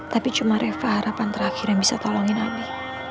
tapi cuma reva harapan terakhir yang bisa tolongin nabi